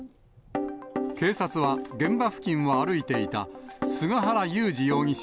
警察は現場付近を歩いていた菅原勇二容疑者